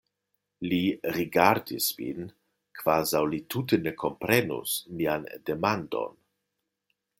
Li rigardis min, kvazaŭ li tute ne komprenus mian demandon.